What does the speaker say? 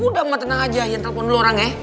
udah mak tenang aja iyan telepon dulu orangnya eh